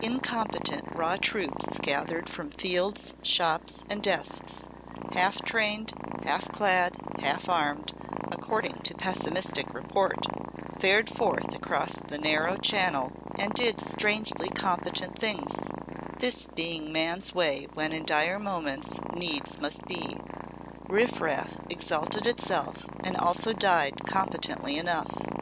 Incompetent raw troops gathered from fields, shops and desks, half trained, half clad, half armed, according to pessimistic report, fared forth across the narrow Channel and did strangely competent things this being man's way when in dire moments needs must be. Riff raff exalted itself and also died competently enough.